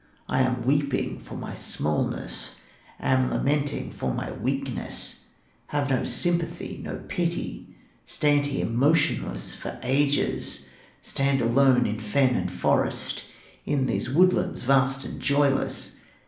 I am weeping for my smallness, Am lamenting for my weakness, Have no sympathy, no pity, Stand here motionless for ages, Stand alone in fen and forest, In these woodlands vast and joyless.